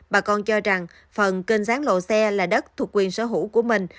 bà con cho rằng phần kênh sáng lộ xe là đất thuộc quyền sở hữu của mình